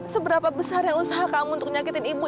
seberapa besar yang usaha kamu untuk nyakitin ibu